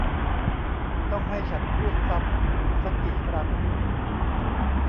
ต้องให้ฉันพูดซ้ำซะกี่ครั้ง !